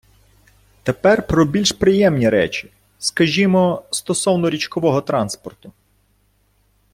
Тепер про більш приємні речі, скажімо, стосовно річкового транспорту.